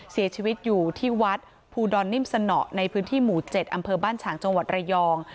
เสียชีวิตอยู่ที่วัดภูดรนิ่มสนอในพื้นที่หมู่๗อำเภอบ้านฉางจังหวัดระยอง